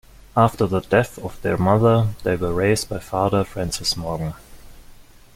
After the death of their mother they were raised by Father Francis Morgan.